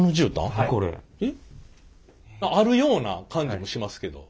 えっあるような感じもしますけど。